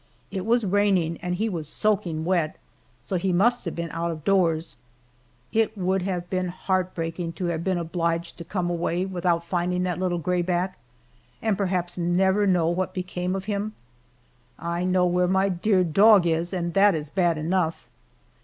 It was raining, and he was soaking wet, so he must have been out of doors. It would have been heartbreaking to have been obliged to come away without finding that little grayback, and perhaps never know what became of him. I know where my dear dog is, and that is bad enough.